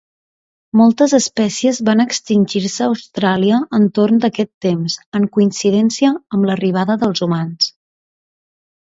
Moltes espècies van extingir-se a Austràlia entorn d'aquest temps, en coincidència amb l'arribada dels humans.